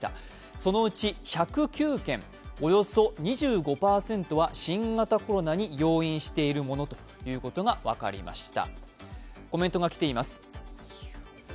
そのうち１０９件、およそ２５％は新型コロナに要因していることが分かりました。